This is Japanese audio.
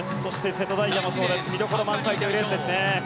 瀬戸大也もそうです見どころ満載というレースですね。